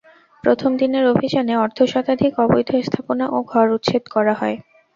প্রথম দিনের অভিযানে অর্ধশতাধিক অবৈধ স্থাপনা ও ঘর উচ্ছেদ করা হয়।